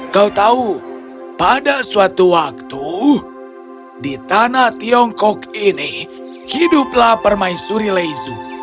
kau tahu pada suatu waktu di tanah tiongkok ini hiduplah permaisuri leisu